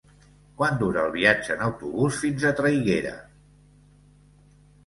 Quant dura el viatge en autobús fins a Traiguera?